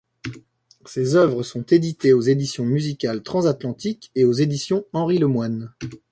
Ses œuvres sont éditées aux Éditions Musicales Transatlantiques et aux Éditions Henry Lemoine.